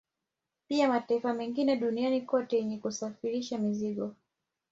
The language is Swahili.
Pia mataifa mengine duniani kote yenye kusafirisha mizigo